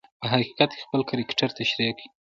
په حقیقت کې خپل کرکټر تشریح کوي.